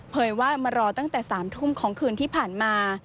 ว่ามารอตั้งแต่๓ทุ่มของคืนที่ผ่านมา